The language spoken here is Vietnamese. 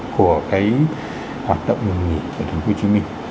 của cái hoạt động ngừng nghỉ ở thành phố hồ chí minh